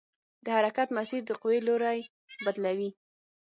د حرکت مسیر د قوې لوری بدلوي.